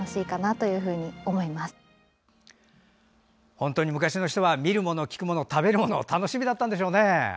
本当に昔の人は見るもの、聞くもの、食べるもの楽しみだったんでしょうね。